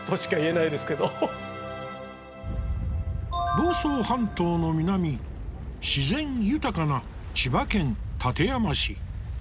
房総半島の南自然豊かな千葉県館山市。